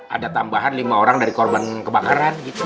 ada tambahan lima orang dari korban kebakaran gitu